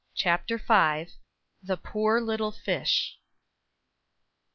CHAPTER V. THE POOR LITTLE FISH.